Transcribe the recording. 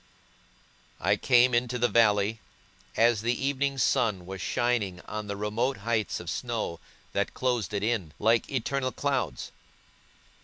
I came into the valley, as the evening sun was shining on the remote heights of snow, that closed it in, like eternal clouds.